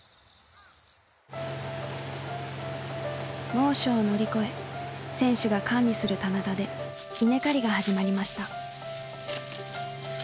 猛暑を乗り越え選手が管理する棚田で稲刈りが始まりました。